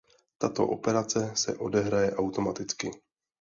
Tato operace se odehraje automaticky.